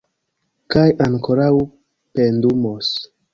Kaj ankoraŭ pendumos.